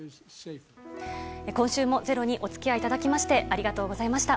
今週も「ｚｅｒｏ」にお付き合いいただきましてありがとうございました。